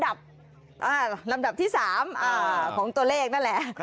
ลำดับที่๓ของตัวเลขนั่นแหละ